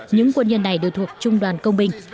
những quân nhân này đều thuộc trung đoàn công binh